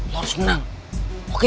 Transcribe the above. lo harus menang oke